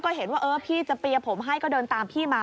ก็เห็นว่าเออพี่จะเปียร์ผมให้ก็เดินตามพี่มา